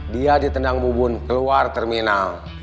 dia ditendang bubun keluar terminal